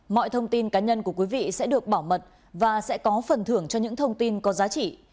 mọi thông tin cá nhân của quý vị sẽ được bảo mật và sẽ có phần thưởng cho những thông tin có giá trị